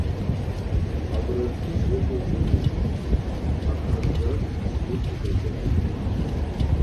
Абри аԥҳәыс иҟалҵозеи, мшәан, аԥхьамӡарах слырԥхьаӡома.